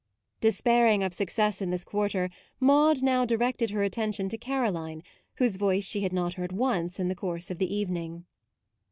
Despairing of success in this quar ter, Maude now directed her atten tion to Caroline, whose voice she had not heard once in the course of the evening.